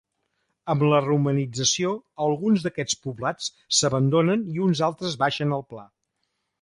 Amb la romanització, alguns d'aquests poblats s'abandonen i uns altres baixen al pla.